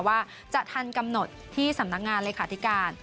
ว่าจะทันกำหนดที่สำนักงานเลขาธิการ